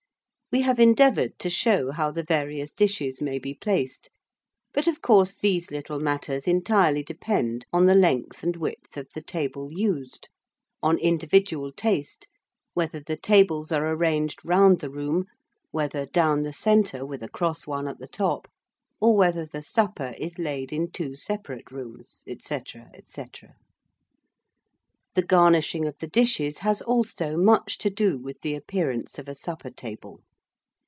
We have endeavoured to show how the various dishes may be placed; but of course these little matters entirely depend on the length and width of the table used, on individual taste, whether the tables are arranged round the room, whether down the centre, with a cross one at the top, or whether the supper is laid in two separate rooms, &c. &c. The garnishing of the dishes has also much to do with the appearance of a supper table.